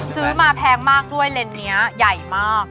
ซื้อมาแพงมากด้วยเลนส์นี้ใหญ่มาก